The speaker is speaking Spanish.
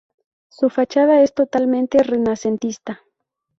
Su fachada es totalmente renacentista.